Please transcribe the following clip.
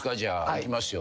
いきますよ